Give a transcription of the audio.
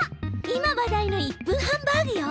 今話題の１分ハンバーグよ！